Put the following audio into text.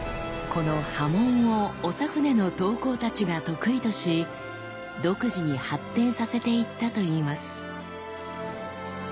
この刃文を長船の刀工たちが得意とし独自に発展させていったといいます。